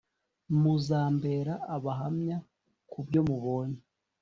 muzambera abahamya kubyo mubonye